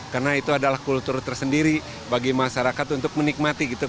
karena itu adalah kultur tersendiri bagi masyarakat untuk menikmati gitu